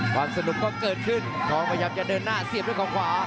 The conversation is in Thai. ความสนุกก็เกิดขึ้นทองพยายามจะเดินหน้าเสียบด้วยของขวา